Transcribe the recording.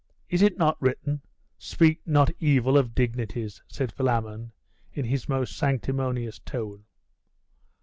'Is it not written, "Speak not evil of dignities"? 'said Philammon, in his most sanctimonious tone.